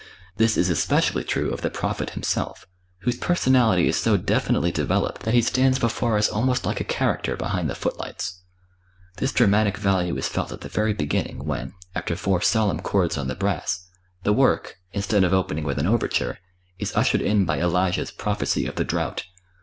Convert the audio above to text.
This is especially true of the prophet himself, whose personality is so definitely developed that he stands before us almost like a character behind the footlights. This dramatic value is felt at the very beginning, when, after four solemn chords on the brass, the work, instead of opening with an overture, is ushered in by Elijah's prophecy of the drought.